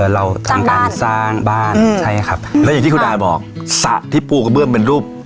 เราทำการสร้างบ้านใช่ครับแล้วอย่างที่คุณอาบอกสระที่ปูกระเบื้องเป็นรูป